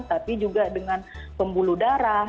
tapi juga dengan pembuluh darah